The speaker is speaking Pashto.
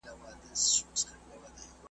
چي تعلیم بند وي مکتب تکفیر وي .